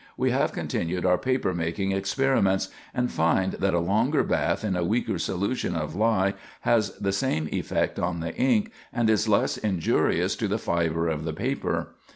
We have continued our paper making experiments, and find that a longer bath in a weaker solution of lye has the same effect on the ink, and is less injurious to the fiber of the paper.